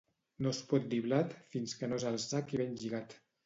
No es pot dir blat fins que no és al sac i ben lligat